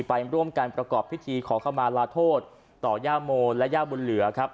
ไปร่วมการประกอบพิธีขอเข้ามาลาโทษต่อย่าโมและย่าบุญเหลือครับ